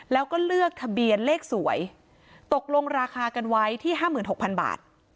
แล้วก็เลือกทะเบียนเลขสวยตกลงราคากันไว้ที่๕๖๐๐๐บาท